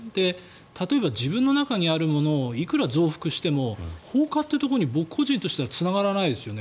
例えば自分の中にあるものをいくら増幅しても放火というところに僕個人としてはつながらないですよね。